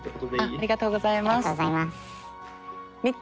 ありがとうございます。